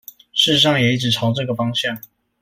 事實上也一直朝這個方向